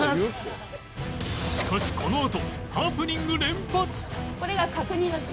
しかしこのあと